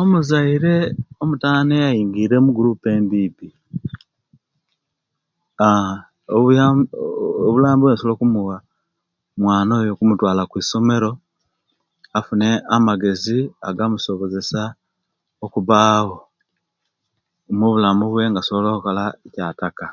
Omuzaire omutani eyayingire egurupu embibi aaa obu obuyambi obwensobola okumuwa kukwata mwana oyo kumutwala kwisomero afune amagezi agamusobozeaa okubawo mubulamu bwe nga asobola okola ekiyataka